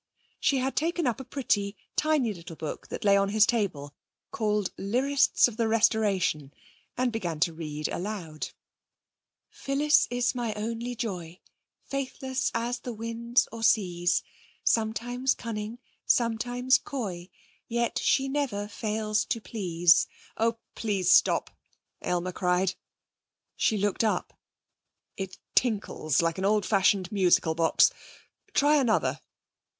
She had taken up a pretty, tiny little book that lay on his table, called Lyrists of the Restoration, and began to read aloud: 5165 'Phyllis is my only joy, Faithless as the winds or seas, Sometimes cunning, sometimes coy, Yet she never fails to please.' 'Oh, please, stop,' Aylmer cried. She looked up. 'It tinkles like an old fashioned musical box. Try another.'